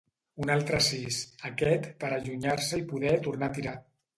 Un altre sis, aquest per allunyar-se i poder tornar a tirar.